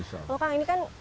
kalau kang ini kan